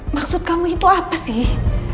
maksud kamu itu apa sih